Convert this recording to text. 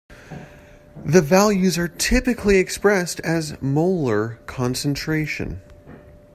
The values are typically expressed as molar concentration.